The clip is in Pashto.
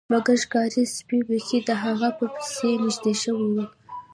مګر ښکاري سپي بیخي د هغه په پسې نږدې شوي وو